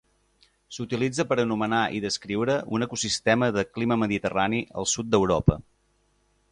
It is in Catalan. S'utilitza per anomenar i descriure un ecosistema de clima mediterrani al sud d'Europa.